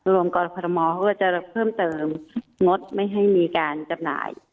กรคอทมเขาก็จะเพิ่มเติมงดไม่ให้มีการจำหน่าย